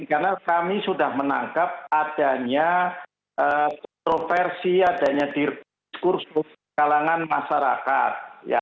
karena kami sudah menangkap adanya kontroversi adanya diskursus kalangan masyarakat